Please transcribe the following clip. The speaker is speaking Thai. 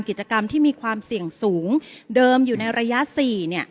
กิจกรรมที่มีความเสี่ยงสูงเดิมอยู่ในระยะ๔เนี่ย